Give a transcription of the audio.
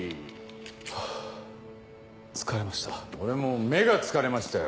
ハァ疲れました。